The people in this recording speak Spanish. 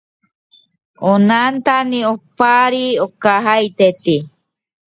Siempre llueve sobre mojado.